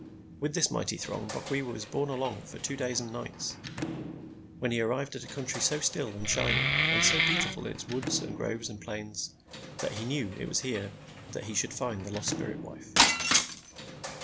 With this mighty throng, Bokwewa was borne along for two days and nights, when he arrived at a country so still and shining, and so beautiful in its woods and groves and plains, that he knew it was here that he should find the lost spirit wife.